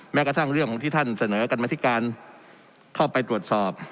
แม้กระทั่งเรื่องของที่ท่านเสนอกรรมธิการเข้าไปตรวจสอบ